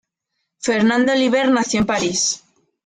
Fernande Olivier nació en París.